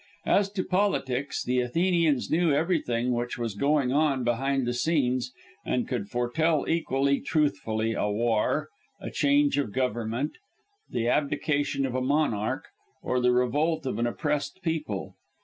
As to politics, the Athenians knew everything which was going on behind the scenes, and could foretell equally truthfully a war, a change of Government, the abdication of a monarch, or the revolt of an oppressed people.